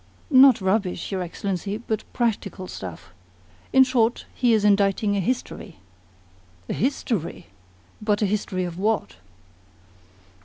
"Not rubbish, your Excellency, but practical stuff. In short, he is inditing a history." "A HISTORY? But a history of what?"